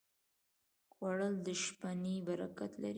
خوړل د شپهنۍ برکت لري